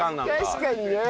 確かにね。